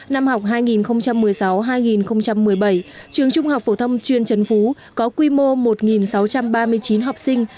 năm học hai nghìn một mươi sáu hai nghìn một mươi bảy trường trung học phổ thông chuyên trần phú có quy mô một sáu trăm ba mươi chín học sinh